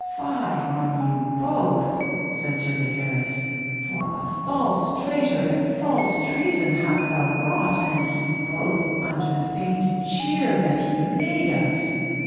Fie on you both, said Sir Gaheris, for a false traitor, and false treason hast thou wrought and he both, under the feigned cheer that ye made us!